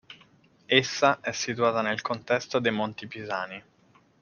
Essa è situata nel contesto dei Monti Pisani.